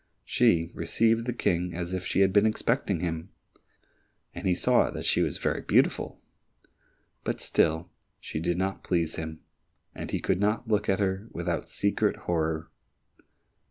She received the King as if she had been expecting him, and he saw that she was very beautiful, but still she did not please him, and he could not look at her without secret horror.